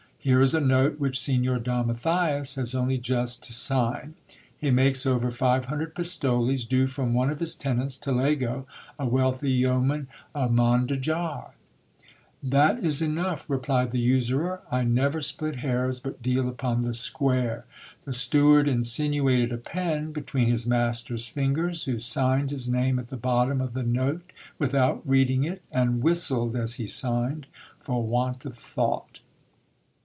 Here is a note which Signor Don Matthias has only just to sign. He makes over five hundred pistoles, due from one of his tenants, Talego, a wealthy yeoman of Mondejar.' 1 That is enough," 1 replied the usurer," I never split hairs, but deal upon the square.^ The steward insinuated a pen between his master's fingers, who signed his name at the bottom of the note, without reading it ; and whistled as he signed, for want of thought.